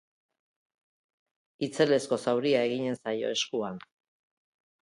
Itzelezko zauria eginen zaio eskuan.